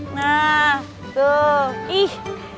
nah tuh ih